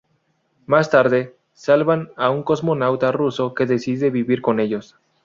Más tarde, salvan a un cosmonauta ruso que decide vivir con ellos.